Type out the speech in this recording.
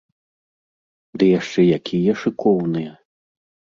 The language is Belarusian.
Ды яшчэ якія шыкоўныя!